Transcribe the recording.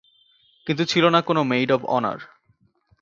কিন্তু ছিল না কোনো মেইড অব অনার।